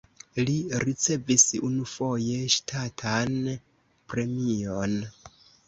Li ricevis unuafoje ŝtatan premion.